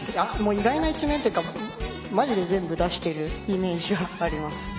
意外な一面というかマジで全部出しているイメージがあります。